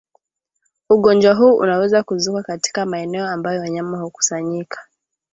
ugonjwa huu unaweza kuzuka katika maeneo ambayo wanyama hukusanyika